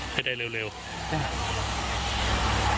ให้ได้เร็วจ้ะ